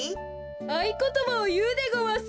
あいことばをいうでごわす。